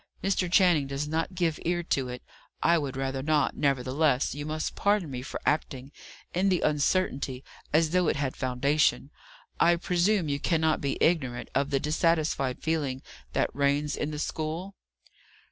Mr. Channing does not give ear to it; I would rather not; nevertheless, you must pardon me for acting, in the uncertainty, as though it had foundation. I presume you cannot be ignorant of the dissatisfied feeling that reigns in the school?"